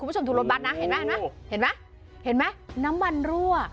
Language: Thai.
คุณผู้ชมดูรถบัตรนะเห็นไหมเห็นไหมน้ำมันรั่ว